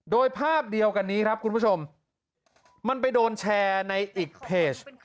โดยภาพเดียวกันนี้ครับคุณผู้ชมมันไปโดนแชร์ในอีกเพจ